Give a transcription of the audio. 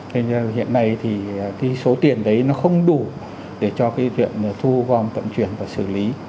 thế nên hiện nay thì số tiền đấy nó không đủ để cho cái chuyện thu gom tận chuyển và xử lý